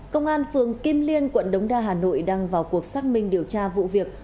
công an phường kim liên quận đống đa hà nội đang vào cuộc xác minh điều tra vụ việc